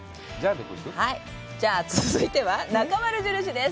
じゃあ、続いては、「なかまる印」です。